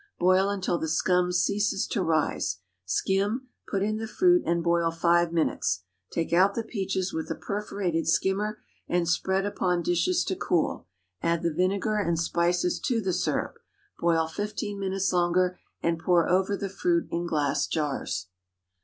Boil until the scum ceases to rise. Skim; put in the fruit and boil five minutes. Take out the peaches with a perforated skimmer, and spread upon dishes to cool. Add the vinegar and spices to the syrup. Boil fifteen minutes longer, and pour over the fruit in glass jars.